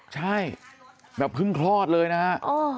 ใช่แบบเพิ่งคลอดเลยนะฮะ